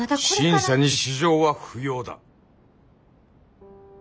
審査に私情は不要だ。